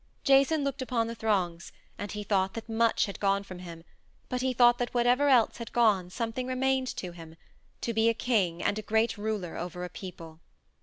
Jason looked upon the throngs, and he thought that much had gone from him, but he thought that whatever else had gone something remained to him to be a king and a great ruler over a people.